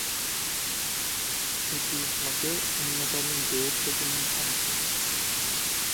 এটি হজের অন্যতম গুরুত্বপূর্ণ অংশ।